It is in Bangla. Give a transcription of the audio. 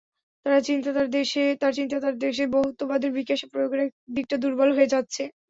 তাঁর চিন্তা, তাঁর দেশে বহুত্ববাদের বিকাশের প্রয়োগের দিকটা দুর্বল হয়ে যাচ্ছে।